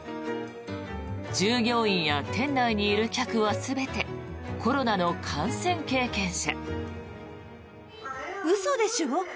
従業員や店内にいる客は全てコロナの感染経験者。